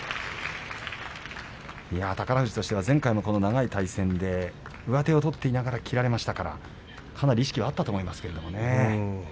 宝富士としては前回も長い対戦で上手を取っていながら切られましたから、かなり意識はあったと思いますけどね。